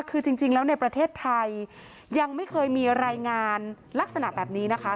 คือจริงแล้วในประเทศไทยยังไม่เคยมีรายงานลักษณะแบบนี้นะคะ